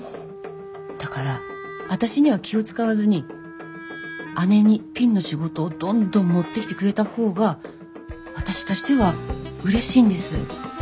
だから私には気を遣わずに姉にピンの仕事をどんどん持ってきてくれた方が私としてはうれしいんです。